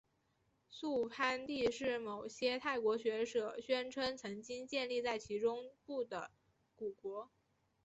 素攀地是某些泰国学者宣称曾经建立在其中部的古国。